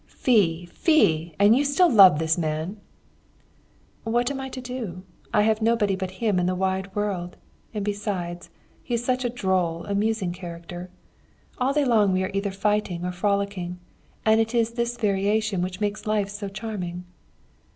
"Fie! fie! And still you love this man!" "What am I to do? I have nobody but him in the wide world; and besides, he is such a droll, amusing character. All day long we are either fighting or frolicking, and it is this variation which makes life so charming."